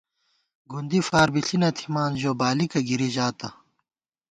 گُندی فاربِݪی نہ تھِمان ، ژو بالِکہ گِری ژاتہ